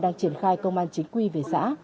đang triển khai công an chính quy về xã